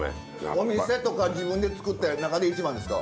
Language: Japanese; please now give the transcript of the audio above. お店とか自分で作った中で一番ですか？